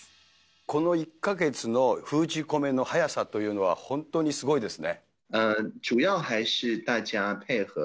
この１か月の封じ込めの早さというのは、本当にすごいですね。